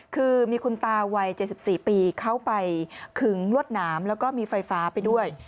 คือมีคุณตาวัย๗๔ปีเข้าไปขึงลวดหนามแล้วก็มีไฟฟ้าไปด้วย